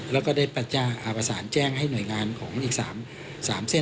แล้วก็ได้ปัจจ้าอาบสารแจ้งให้หน่วยงานของอีก๓เส้นเนี่ย